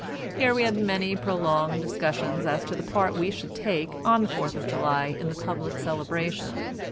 Here we had many prolonged discussions as to the part we should take, on the Fourth of July, in the public celebration.